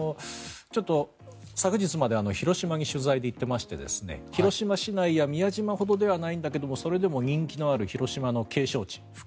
ちょっと昨日まで広島に取材で行っていまして広島市内や宮島ほどではないんですがそれでも人気のある広島市の景勝地・